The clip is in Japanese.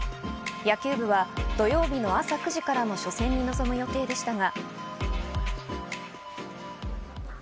野球部は土曜日の朝９時からの初戦に臨む予定でしたが。